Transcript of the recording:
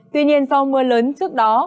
tuy nhiên sau mưa lớn trước đó